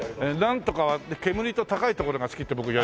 なんとかと煙は高い所が好きって僕言われてるんですよ。